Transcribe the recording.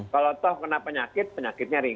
kalau toh kena penyakit penyakitnya ringan